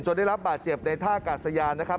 ได้รับบาดเจ็บในท่ากาศยานนะครับ